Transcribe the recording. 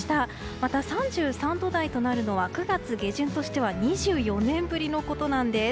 また３３度台となるのは９月下旬としては２４年ぶりのことなんです。